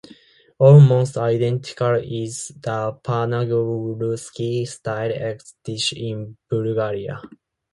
Almost identical is the Panagyurski style eggs dish in Bulgaria.